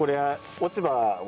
落ち葉を？